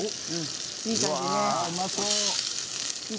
いい感じね。